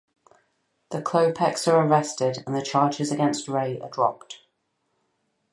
The Klopeks are arrested and the charges against Ray are dropped.